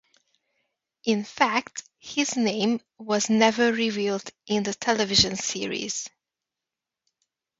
In fact, his first name was never revealed in the television series.